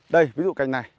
đây ví dụ cành này